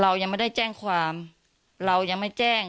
เรายังไม่ได้แจ้งความเรายังไม่แจ้ง